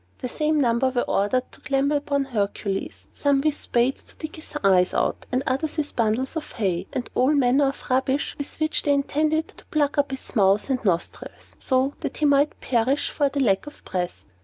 The same number were ordered to clamber upon Hercules, some with spades to dig his eyes out, and others with bundles of hay, and all manner of rubbish with which they intended to plug up his mouth and nostrils, so that he might perish for lack of breath.